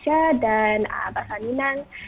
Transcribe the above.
bahasa inggris dan bahasa minang